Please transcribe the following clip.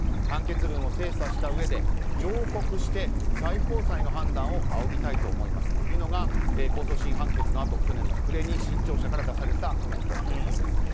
判決文を精査したうえで上告して最高裁の判断を仰ぎたいと思いますというのが控訴審判決のあと、去年の暮れに新潮社から出された全文です。